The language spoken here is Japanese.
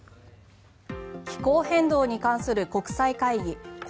気候変動に関する国際会議